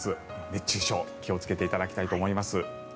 熱中症気をつけていただきたいと思います。